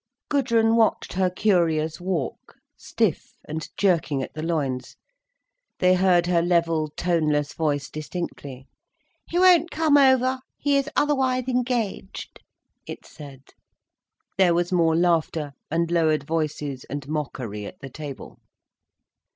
Gudrun watched her curious walk, stiff and jerking at the loins. They heard her level, toneless voice distinctly. "He won't come over;—he is otherwise engaged," it said. There was more laughter and lowered voices and mockery at the table.